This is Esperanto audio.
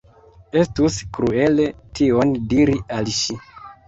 Estus kruele tion diri al ŝi.